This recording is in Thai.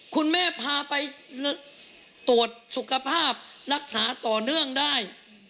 คุณแม่พาไปตรวจสุขภาพรักษาต่อเนื่องได้